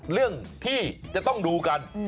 เรื่องที่จะต้องดูกัน